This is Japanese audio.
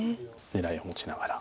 狙いを持ちながら。